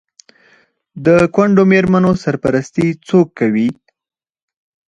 د کونډو میرمنو سرپرستي څوک کوي؟